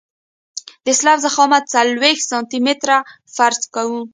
د سلب ضخامت څلوېښت سانتي متره فرض کوو